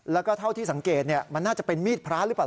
แล้วก็เท่าที่สังเกตมันน่าจะเป็นมีดพระหรือเปล่า